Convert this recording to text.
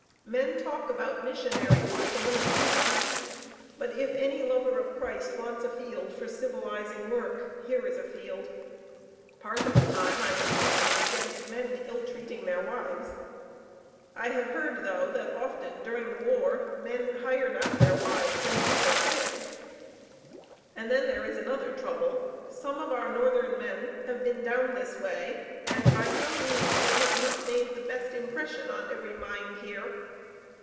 Men talk about missionary work among the heathen, but if any lover of Christ wants a field for civilizing work, here is a field. Part of the time I am preaching against men ill treating their wives. I have heard though, that often during the war men hired out their wives and drew their pay." "And then there is another trouble, some of our Northern men have been down this way and by some means they have not made the best impression on every mind here.